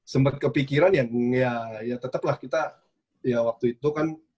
sempat kepikiran ya ya tetap lah kita ya waktu itu kan